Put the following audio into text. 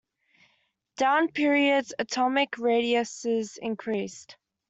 Down periods, atomic radius increased.